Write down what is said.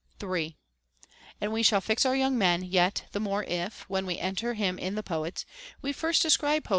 3. And we shall fix our young man yet the more if, when we enter him in the poets, we first describe poetry * II.